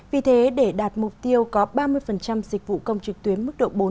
vì thế để đạt mục tiêu có ba mươi dịch vụ công trực tuyến mức độ bốn trăm năm mươi